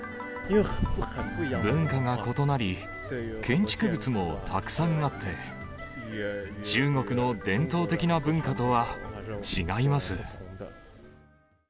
文化が異なり、建築物もたくさんあって、中国の伝統的な文化とは違います。